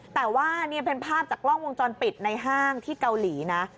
แต่ว่านี่เป็นภาพจากกล้องวงจรปิดในห้างที่เกาหลีนะ